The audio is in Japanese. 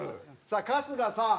さあ春日さん。